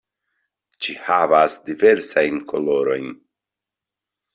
Ĝi havas diversajn kolorojn.